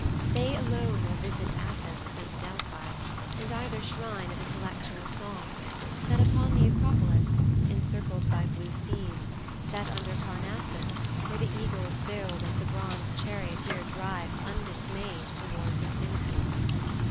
They alone will visit Athens and Delphi, and either shrine of intellectual song—that upon the Acropolis, encircled by blue seas; that under Parnassus, where the eagles build and the bronze charioteer drives undismayed towards infinity.